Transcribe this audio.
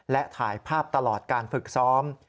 และถ่ายภาพตลอดการฝึกซ้อม